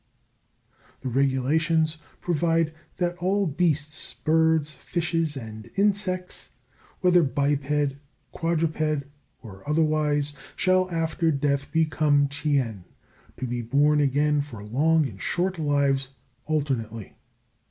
The regulations provide that all beasts, birds, fishes, and insects, whether biped, quadruped, or otherwise, shall after death become chien, to be born again for long and short lives alternately.